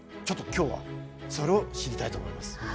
ちょっと今日はそれを知りたいと思います。